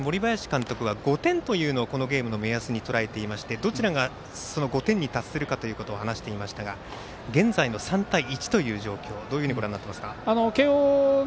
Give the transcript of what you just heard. １つ、森林監督は５点というのをこのゲームの目安にとらえていましてどちらがその５点に達するか３対１という状況どういうふうにご覧になってますか？